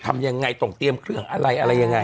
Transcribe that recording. ทำยังไงต้องเตรียมเครื่องอะไรอะไรยังไง